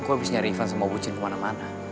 gue habis nyari ivan sama wucin kemana mana